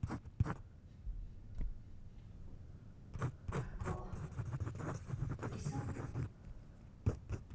学校無理そう？